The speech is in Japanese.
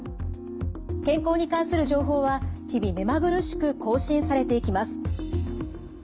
健康に関する情報は日々目まぐるしく更新されていきます。